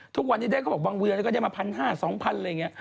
ทุกวันที่ได้ก็บังเวียนแล้วก็ได้มา๑๕๐๐๒๐๐๐อะไรอย่างนี้